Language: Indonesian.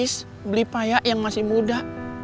kis beli paya yang masih muda